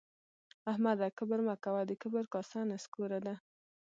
احمده کبر مه کوه؛ د کبر کاسه نسکوره ده